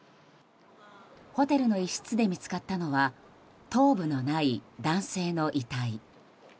ホテルの一室で見つかったのは頭部のない男性の遺体。